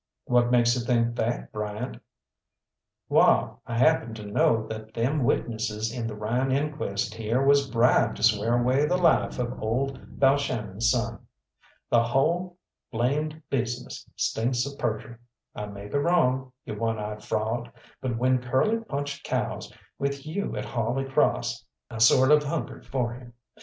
"What makes you think that, Bryant?" "Wall, I happen to know that them witnesses in the Ryan inquest here was bribed to swear away the life of old Balshannon's son. The hull blamed business stinks of perjury. I may be wrong, you one eyed fraud, but when Curly punched cows with you at Holy Crawss I sort of hungered for him.